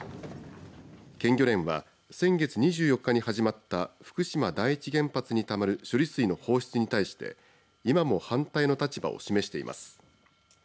県漁連は先月２４日に始まった福島第一原発にたまる処理水の放出に対して今も反対の立場を示しています。